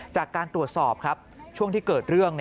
จากการตรวจสอบครับช่วงที่เกิดเรื่อง